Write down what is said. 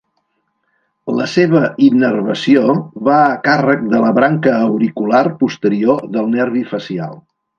La seva innervació va a càrrec de la branca auricular posterior del nervi facial.